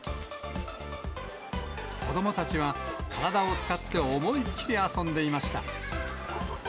子どもたちは体を使って、思いっ切り遊んでいました。